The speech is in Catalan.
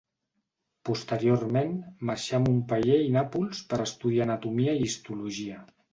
Posteriorment, marxà a Montpeller i Nàpols per estudiar anatomia i histologia.